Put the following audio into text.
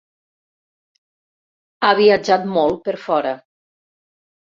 Ha viatjat molt per fora.